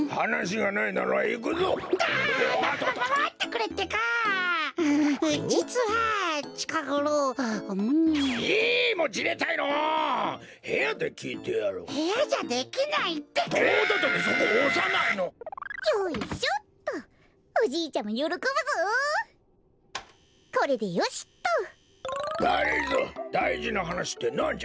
がりぞーだいじなはなしってなんじゃ？